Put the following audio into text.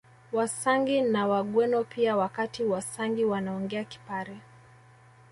Wasangi na Wagweno pia Wakati Wasangi wanaongea Kipare